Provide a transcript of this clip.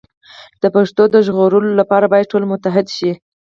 د پښتو د ژغورلو لپاره باید ټول متحد شو.